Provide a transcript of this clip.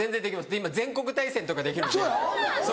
今全国対戦とかできるんでそう